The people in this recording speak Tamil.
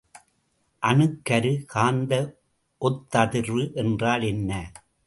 அணுக்கரு காந்த ஒத்ததிர்வு என்றால் என்ன?